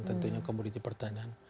tentunya komoditi pertanian